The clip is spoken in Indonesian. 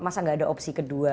masa gak ada opsi kedua